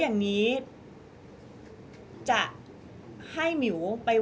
ก็ต้องฝากพี่สื่อมวลชนในการติดตามเนี่ยแหละค่ะ